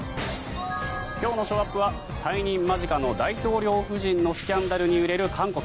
今日のショーアップは退任間近の大統領夫人のスキャンダルに揺れる韓国。